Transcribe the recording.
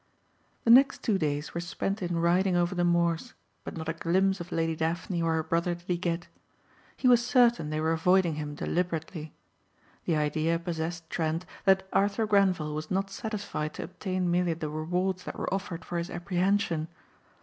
The next two days were spent in riding over the moors but not a glimpse of Lady Daphne or her brother did he get. He was certain they were avoiding him deliberately. The idea possessed Trent that Arthur Grenvil was not satisfied to obtain merely the rewards that were offered for his apprehension.